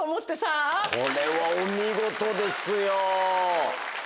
これはお見事ですよ。